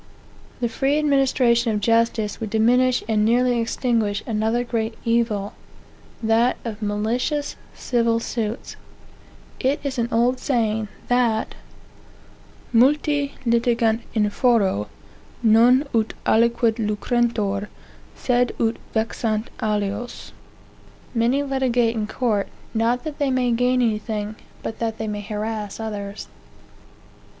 The free administration of justice would diminish and nearly extinguish another great evil, that of malicious civil suits It is an old saying, that "multi litigant in foro, non ut aliquid lucentur, sed ut vexant alios." (Many litigate in court, not that they may gain anything, but that they may harass others.)